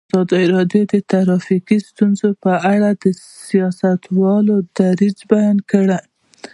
ازادي راډیو د ټرافیکي ستونزې په اړه د سیاستوالو دریځ بیان کړی.